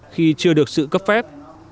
khi chưa được sự cấp phép